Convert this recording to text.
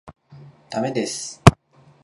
駄目です。